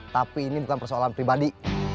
tapi ini bukan persoalan pribadi